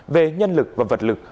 về nhân lực và vật lực